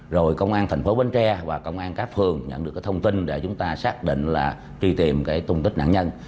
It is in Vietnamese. rồi công an thành phố bến tre và công an cáp phường nhận được thông tin để chúng ta xác định là truy tìm tung tích nạn nhân